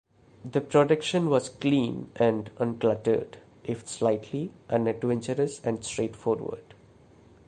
The production was clean and uncluttered, if slightly, unadventurous and straight forward.